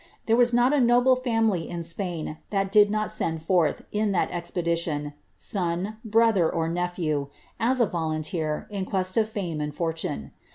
There was not a noble family ihal did not send forth, in that expedition, son, brother, or ne a volunteer, in quest of fame and fortune.'